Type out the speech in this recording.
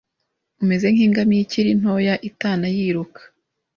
Umeze nk’ingamiya ikiri ntoya itana yiruka,